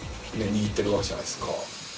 握ってるわけじゃないですか。